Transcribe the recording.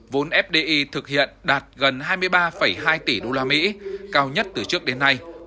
vốn fdi thực hiện đạt gần hai mươi ba hai tỷ usd cao nhất từ trước đến nay